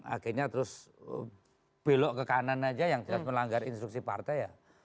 akhirnya terus belok ke kanan aja yang jelas melanggar instruksi partai ya